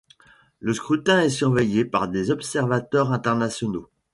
Le scrutin est surveillé par des observateurs internationaux.